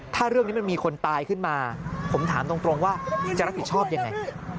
ถ้าเรื่องนี้มันมีคนตายขึ้นมาผมถามตรงว่าจะรับผิดชอบยังไง